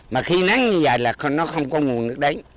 mà khi nắng như vậy là nó không có nguồn nước đến